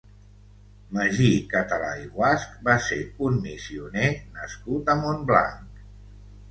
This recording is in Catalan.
Magí Català i Guasch va ser un missioner nascut a Montblanc.